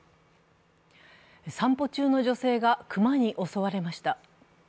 散歩中の女性が熊に襲われました。